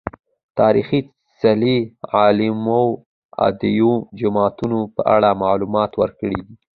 تاريخي څلي، علومو اکادميو، جوماتونه په اړه معلومات ورکړي دي